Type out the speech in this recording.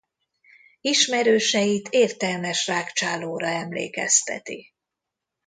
Ismerőseit értelmes rágcsálóra emlékezteti.